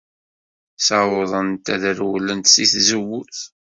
Ssawḍent ad rewlent seg tzewwut.